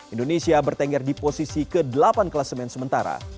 indonesia bertengger di posisi ke delapan kelasemen sementara